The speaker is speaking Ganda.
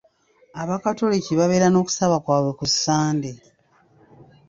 Abakatoliki babeera n'okusaba kwabwe ku Sande.